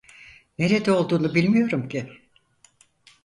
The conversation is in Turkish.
Nerede olduğunu bilmiyorum ki!